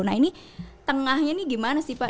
nah ini tengahnya ini gimana sih pak